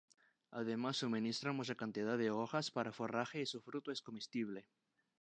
Además suministra mucha cantidad de hojas para forraje y su fruto es comestible.